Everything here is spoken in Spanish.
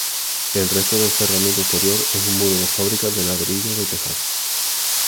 El resto del cerramiento exterior es un muro de fábrica de ladrillo de tejar.